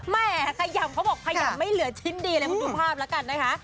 แม่ขยำเขาบอกขยำไม่เหลือชิ้นดีเลยคุณดูภาพแล้วกันนะคะ